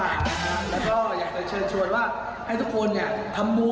นี่คือต้องค่ะโอ้ยพรแซกเข้ามานะครับ